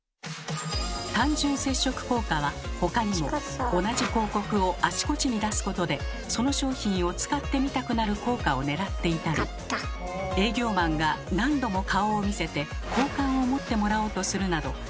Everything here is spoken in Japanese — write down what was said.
単純接触効果は他にも同じ広告をあちこちに出すことでその商品を使ってみたくなる効果をねらっていたり営業マンが何度も顔を見せて好感を持ってもらおうとするなど